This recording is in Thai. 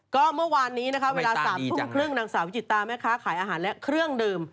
ก็เมื่อวานนี้นะคะเวลา๓ทุ่มครึ่งนางสาววิจิตตาแม่ค้าขายอาหารและเครื่องดื่ม